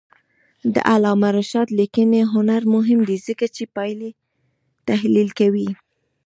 د علامه رشاد لیکنی هنر مهم دی ځکه چې پایلې تحلیل کوي.